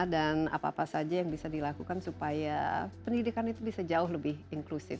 dan apa apa saja yang bisa dilakukan supaya pendidikan itu bisa jauh lebih inklusif